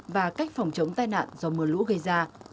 và cách phòng chống tai nạn do mưa lũ gây ra